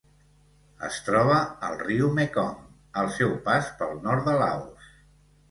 Es troba al riu Mekong al seu pas pel nord de Laos.